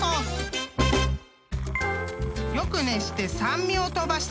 ［よく熱して酸味を飛ばした］